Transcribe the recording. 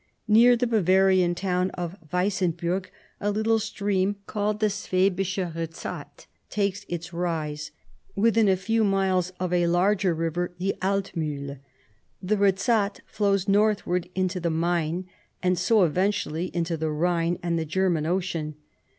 Near the Bavarian town of TVeissenburg a little stream called the Schwabische Rezat takes its rise, within a few miles of a larger river, the Altmiihl. The Kezat flows northward into the Main, and so eventually into the Rhine and the German Ocean.